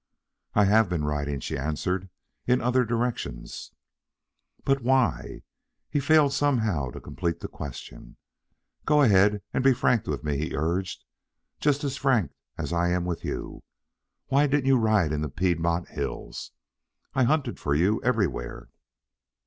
"I have been riding," she answered; "in other directions." "But why...?" He failed somehow to complete the question. "Go ahead and be frank with me," he urged. "Just as frank as I am with you. Why didn't you ride in the Piedmont hills? I hunted for you everywhere.